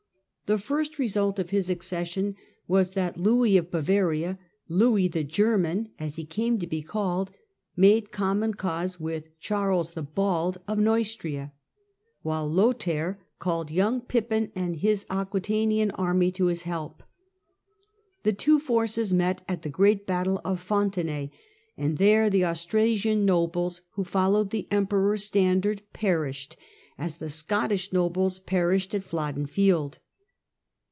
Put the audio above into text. The first result of his accession was that Louis of Bavaria — Louis the German as he came to be called — made common cause with Charles the Bald of Xeustria, while Lothair called young Pippin and his Aquetanian army to his help. The two forces met at the great battle of Fontenay, and there the Austrasian nobles who followed the Emperor's standard perished, as the Scottish nobles perished at Flodden Field.